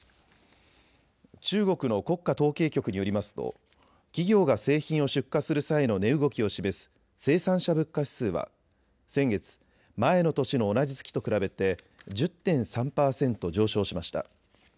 中国の国家統計局によりますと企業が製品を出荷する際の値動きを示す生産者物価指数は先月、前の年の同じ月と比べて１０．３％上昇しました。